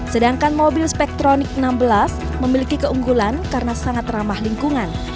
sedangkan mobil spektronik enam belas memiliki keunggulan karena sangat ramah lingkungan